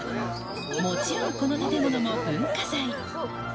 もちろん、この建物も文化財。